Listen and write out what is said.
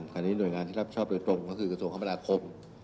คันนี้โดยงานที่รับชอบตรงก็คือกระทรวงคมธนาคม